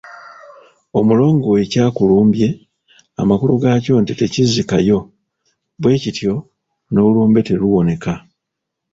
Omulongo we ye Kyakulumbye, amakulu gakyo nti tekizzikayo, bwekityo n'olumbe teruwoneka.